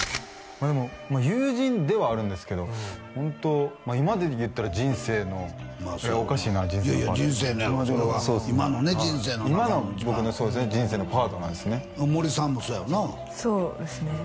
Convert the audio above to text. でも友人ではあるんですけどホント今でいったら人生の人生のやろそれは今のね人生の今の僕のそうですね人生のパートナーですね森さんもそうやろうなそうですね